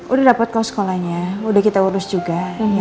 udah dapet kok sekolahnya udah kita urus juga